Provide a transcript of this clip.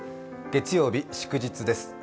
月曜日、祝日です。